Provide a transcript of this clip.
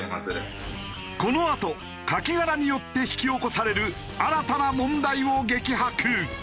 このあとカキ殻によって引き起こされる新たな問題を激白！